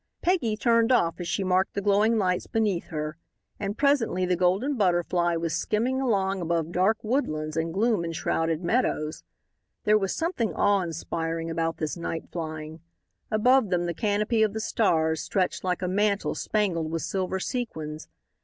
Peggy turned off as she marked the glowing lights beneath her, and presently the Golden Butterfly was skimming along above dark woodlands and gloom enshrouded meadows. There was something awe inspiring about this night flying. Above them the canopy of the stars stretched like a mantle spangled with silver sequins.